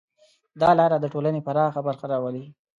دا لاره د ټولنې پراخه برخه راولي.